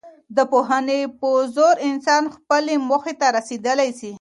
د پوهني په زور انسان خپلي موخې ته رسېدی سي.